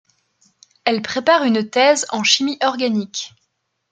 Elle prépare une thèse en chimie organique.